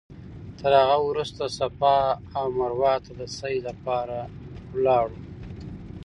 تر هغه وروسته صفا او مروه ته د سعې لپاره لاړو.